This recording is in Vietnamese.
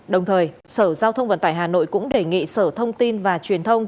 đồng thời sở giao thông vận tải hà nội cũng đề nghị sở thông tin và truyền thông